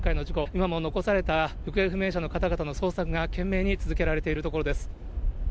今も残された行方不明者の方々の捜索が懸命に続けられているところです。